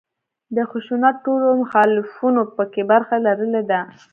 د خشونت ټولو مخالفانو په کې برخه لرلې ده.